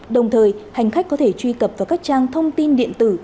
đồng thời hành khách có thể truy cập vào các trang thông tin điện tử